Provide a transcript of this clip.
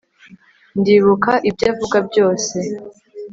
ndibuka ibyo avuga byose